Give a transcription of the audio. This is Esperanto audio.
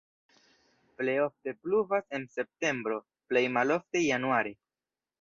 Plej ofte pluvas en septembro, plej malofte januare.